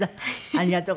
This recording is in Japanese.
ありがとう。